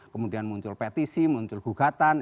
kemudian muncul petisi muncul gugatan